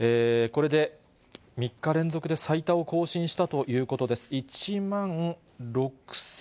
これで３日連続で最多を更新したということです。